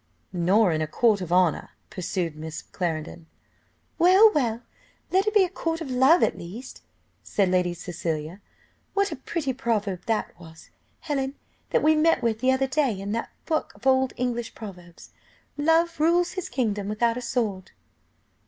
"Nor in a court of honour," pursued Miss Clarendon. "Well, well! let it be a court of love at least," said Lady Cecilia. "What a pretty proverb that was, Helen, that we met with the other day in that book of old English proverbs 'Love rules his kingdom without a sword.